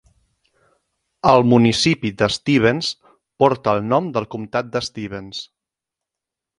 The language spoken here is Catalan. El municipi de Stevens porta el nom del comtat de Stevens.